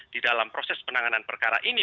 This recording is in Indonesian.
di dalam proses penanganan perkara ini